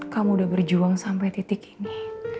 kamu udah berjuang sampai titik ini